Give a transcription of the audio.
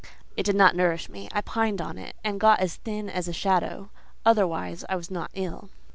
It did not nourish me: I pined on it, and got as thin as a shadow: otherwise I was not ill.